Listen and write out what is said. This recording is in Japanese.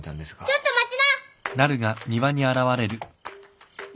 ・ちょっと待った！